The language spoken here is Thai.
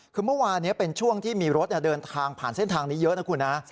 คือเมื่อวานนี้เป็นช่วงที่มีรถเดินทางผ่านเส้นทางนี้เยอะนะคุณนะ